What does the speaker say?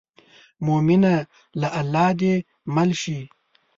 مومنه له الله دې مل شي.